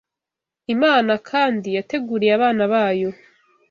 Imana kandi yateguriye abana bayo